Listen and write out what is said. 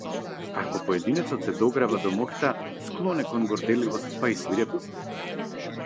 Ако поединецот се дограба до моќта, склон е кон горделивост па и свирепост.